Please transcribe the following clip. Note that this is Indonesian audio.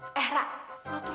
kayak gini juga